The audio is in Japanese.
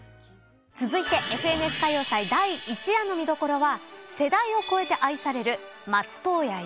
続いて『ＦＮＳ歌謡祭』第１夜の見どころは世代を超えて愛される松任谷由実。